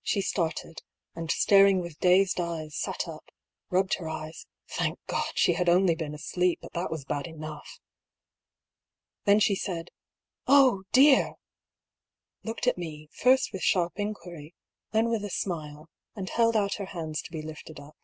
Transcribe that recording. She started, and staring with dazed eyes, sat up, rubbed her eyes (thank God ! she had only been asleep, but that was bad enough !). Then she said, '^ Oh, dear I" looked at me, first with sharp inquiry, then with a smile, and held out her hands to be lifted up.